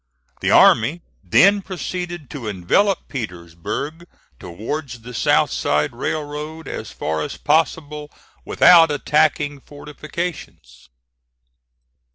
The army then proceeded to envelop Petersburg towards the South Side Railroad as far as possible without attacking fortifications.